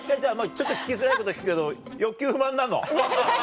ちょっと聞きづらいこと聞くけど欲求不満なの？